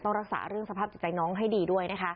รักษาเรื่องสภาพจิตใจน้องให้ดีด้วยนะคะ